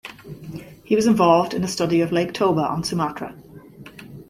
He was involved in a study of Lake Toba on Sumatra.